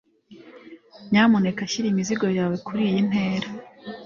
Nyamuneka shyira imizigo yawe kuriyi ntera.